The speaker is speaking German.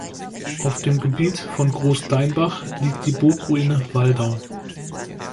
Auf dem Gebiet von Großdeinbach liegt die Burgruine Waldau.